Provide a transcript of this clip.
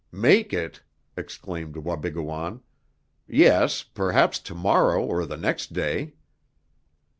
"Make it!" exclaimed Wabigoon. "Yes perhaps to morrow, or the next day!"